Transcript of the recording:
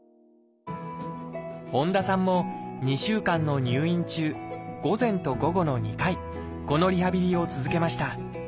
本多さんも２週間の入院中午前と午後の２回このリハビリを続けました。